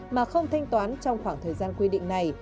mà không thanh toán trong khoảng thời gian quy định này